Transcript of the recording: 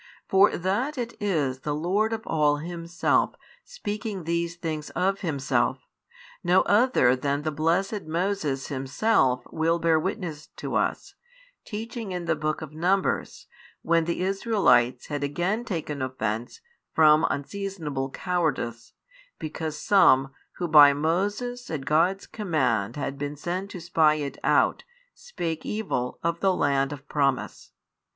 For that it is the Lord of all Himself speaking these things of Himself, no other than the blessed Moses himself will bear witness to us, teaching in the Book of Numbers, when the Israelites had again taken offence from unseasonable cowardice, because some, who by Moses at God's command had been sent to spy it out, spake evil of the Land of Promise.